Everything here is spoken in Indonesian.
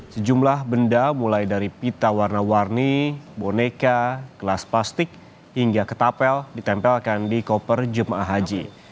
sejumlah benda mulai dari pita warna warni boneka kelas plastik hingga ketapel ditempelkan di koper jemaah haji